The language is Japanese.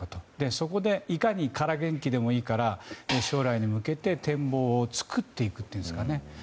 そこで、いかにから元気でもいいから将来に向けて展望を作っていくというんですかね。